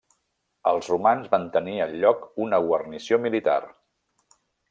Els romans van tenir al lloc una guarnició militar.